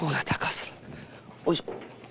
おいしょ。